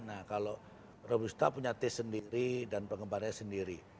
nah kalau robusta punya teh sendiri dan pengembarannya sendiri